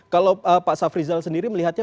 kalau pak safrizal sendiri melihatnya